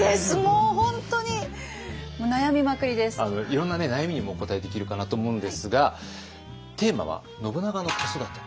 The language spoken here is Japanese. いろんな悩みにもお答えできるかなと思うのですがテーマは「信長の子育て」。